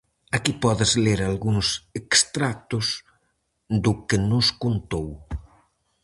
Aquí podes ler algúns extractos do que nos contou.